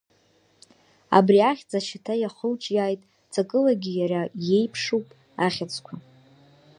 Абри ахьӡ ашьаҭа иахылҿиааит, ҵакылагьы иара иеиԥшуп ахьӡқәа…